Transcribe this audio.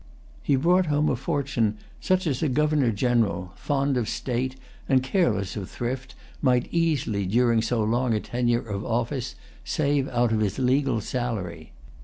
He brought home a fortune such as a Governor General, fond of state and careless of thrift, might easily, during so long a tenure of office, save out of his legal salary.